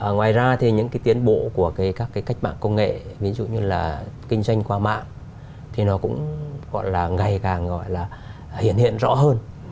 ngoài ra thì những cái tiến bộ của các cái cách mạng công nghệ ví dụ như là kinh doanh qua mạng thì nó cũng gọi là ngày càng gọi là hiện hiện rõ hơn